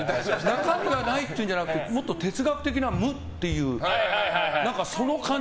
中身がないっていうんじゃなくてもっと哲学的な無っていう。